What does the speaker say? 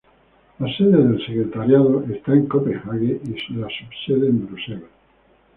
La sede del Secretariado está en Copenhague y la subsede en Bruselas.